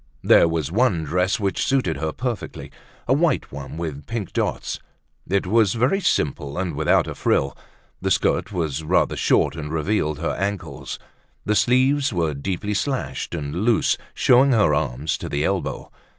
There was one dress which suited her perfectly, a white one with pink dots. It was very simple and without a frill. The skirt was rather short and revealed her ankles. The sleeves were deeply slashed and loose, showing her arms to the elbow.